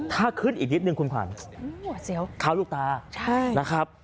ท่าขึ้นอีกนิดหนึ่งคุณควันอัตเซียวค้าลูกตาใช่นะครับ